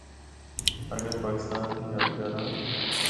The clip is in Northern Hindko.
اگر پاکستان دی گل کراں۔